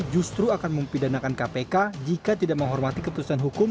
justru akan mempidanakan kpk jika tidak menghormati keputusan hukum